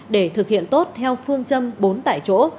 để thực hiện tốt theo phương châm bốn tại chỗ